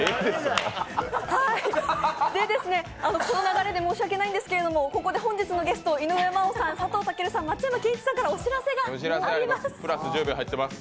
この流れで申し訳ないんですけれども、本日のゲスト、松山ケンイチさん井上真央さん、佐藤健さん、松山ケンイチさんからお知らせがあります。